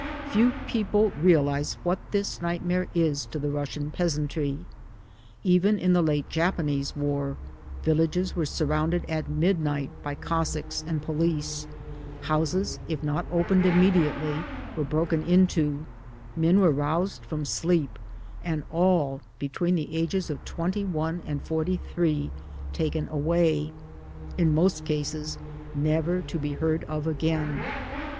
Few people realize what this nightmare is to the Russian peasantry. Even in the late Japanese war, villages were surrounded at midnight by Cossacks and police, houses if not opened immediately were broken into, men roused from sleep, and all between the ages of twenty one and forty three taken away, in most cases never to be heard of again